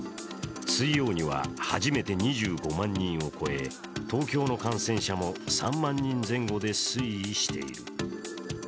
水曜には初めて２５万人を超え東京の感染者も３万人前後で推移している。